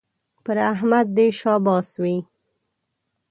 پر احمد دې شاباس وي